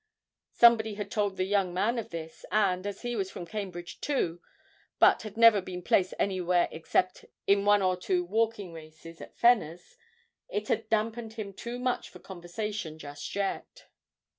Somebody had told the young man of this, and, as he was from Cambridge too, but had never been placed anywhere except in one or two walking races at Fenner's, it had damped him too much for conversation just yet.